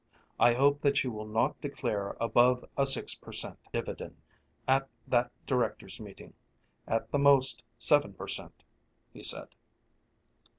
I hope that you will not declare above a six per cent. dividend at that directors' meeting; at the most, seven per cent.," he said.